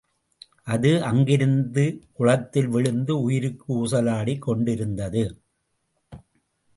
அது அங்கிருந்து குளத்தில் விழுந்து உயிருக்கு ஊசலாடிக் கொண்டிருந்தது.